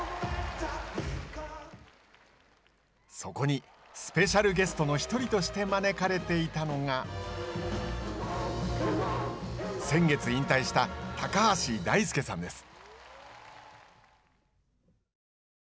そこにスペシャルゲストの一人として招かれていたのが先月引退した高橋大輔さんです。